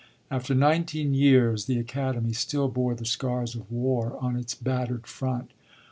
After nineteen years, the Academy still bore the scars of war on its battered front.